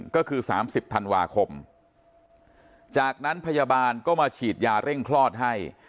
ก็คือ๓๐ธันวาคมจากนั้นพยาบาลก็มาฉีดยาเร่งคลอดให้